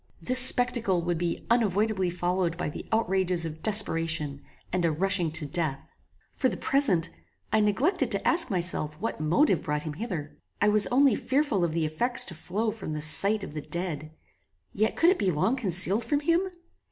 This spectacle would be unavoidably followed by the outrages of desperation, and a rushing to death. For the present, I neglected to ask myself what motive brought him hither. I was only fearful of the effects to flow from the sight of the dead. Yet could it be long concealed from him?